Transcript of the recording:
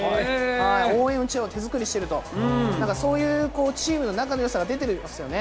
応援うちわを手作りしていると、そういうチームの仲のよさが出ていますよね。